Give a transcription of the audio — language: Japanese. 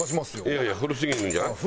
いやいや古すぎるんじゃない？